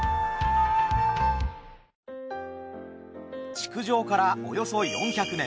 築城からおよそ４００年。